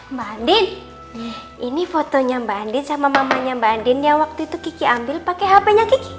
mbak andin ini fotonya mbak andin sama mamanya mbak andin yang waktu itu kiki ambil pake hpnya kiki